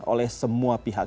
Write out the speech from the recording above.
oleh semua pihak